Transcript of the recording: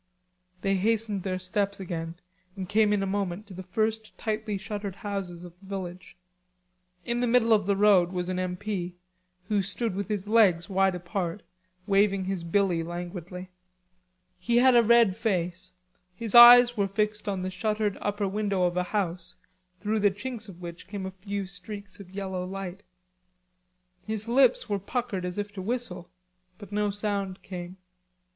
They hastened their steps again and came in a moment to the first tightly shuttered houses of the village. In the middle of the road was an M.P., who stood with his legs wide apart, waving his "billy" languidly. He had a red face, his eyes were fixed on the shuttered upper window of a house, through the chinks of which came a few streaks of yellow light. His lips were puckered up as if to whistle, but no sound came.